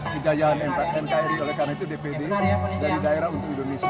kejayaan nkri oleh karena itu dpd dari daerah untuk indonesia